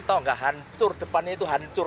tau gak hancur depannya itu hancur